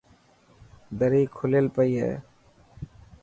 دري کليل پئي هي.